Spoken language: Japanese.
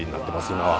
今は。